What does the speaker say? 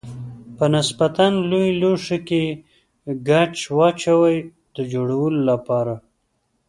په نسبتا لوی لوښي کې ګچ واچوئ د جوړولو لپاره.